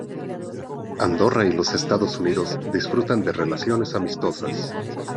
Andorra y los Estados Unidos disfrutan de relaciones amistosas.